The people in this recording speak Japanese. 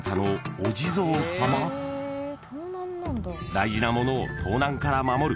［大事なものを盗難から守る］